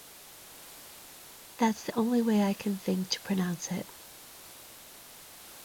That's the only way I can think to pronounce it.